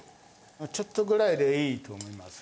ちょっとぐらいでいいと思います。